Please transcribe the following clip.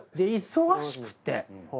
忙しくて。